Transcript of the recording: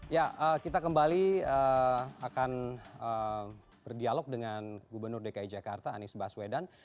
ya kita kembali akan berdialog dengan gubernur dki jakarta anies baswedan